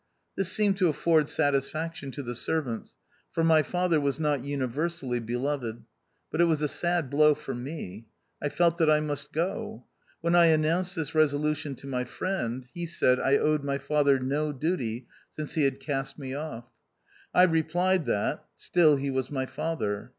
This seemed to afford satisfaction to the ser vants, for my father was not universally be loved ; but it was a sad blow for me, I felt that I must go. When I announced tjiis resolution to my friend, he said, I owed my father no duty since he had cast me off. I replied that, still he was my father.